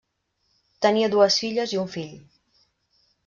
Tenia dues filles i un fill.